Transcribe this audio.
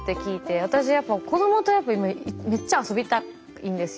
私やっぱ子どもとめっちゃ遊びたいんですよ。